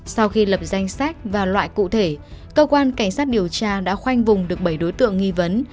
sau khi lập danh sách và loại cụ thể cơ quan cảnh sát điều tra đã khoanh vùng được bảy đối tượng nghi vấn